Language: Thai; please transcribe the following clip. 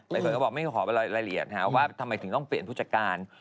หลายคนก็บอกไม่ขอไปรายละเอียดว่าทำไมถึงต้องเปลี่ยนผู้จัดการ